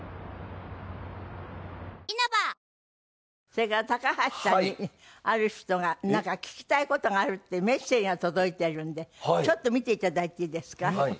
それから高橋さんにある人がなんか聞きたい事があるってメッセージが届いているんでちょっと見ていただいていいですか？